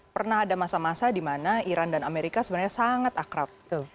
pernah ada masa masa di mana iran dan amerika sebenarnya sangat akrab